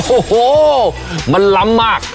โอ้โหมันล้ำมาก